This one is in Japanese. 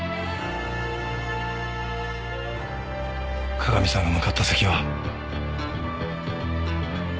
加賀美さんが向かった先は。